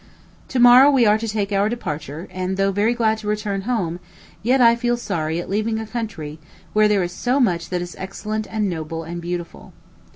To morrow we are to take our departure; and, though very glad to return home, yet I feel sorry at leaving a country where there is so much that is excellent and noble and beautiful.